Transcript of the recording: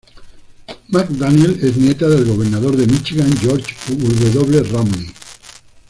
McDaniel es nieta del Gobernador de Míchigan George W. Romney.